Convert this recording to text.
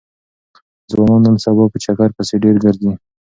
ځوانان نن سبا په چکر پسې ډېر ګرځي.